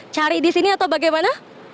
cari disini atau bagaimana